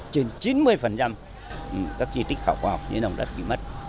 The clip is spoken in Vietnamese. trên chín mươi các di tích khảo khoa học như nồng đất thì mất